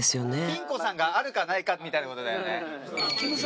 ピン子さんがあるかないかみたいなことだよね。